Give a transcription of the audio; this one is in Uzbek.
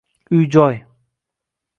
uy -joy